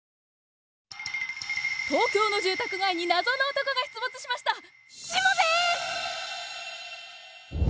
東京の住宅街に謎の男が出没しました！